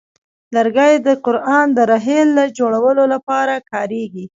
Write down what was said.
لرګی د قران د رحل جوړولو لپاره کاریږي.